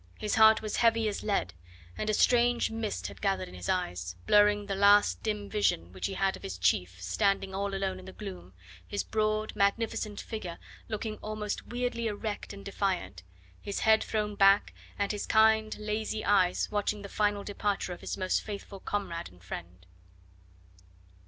His heart was heavy as lead, and a strange mist had gathered in his eyes, blurring the last dim vision which he had of his chief standing all alone in the gloom, his broad, magnificent figure looking almost weirdly erect and defiant, his head thrown back, and his kind, lazy eyes watching the final departure of his most faithful comrade and friend.